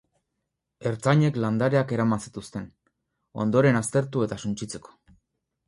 Ertzainek landareak eraman zituzten, ondoren aztertu eta suntsitzeko.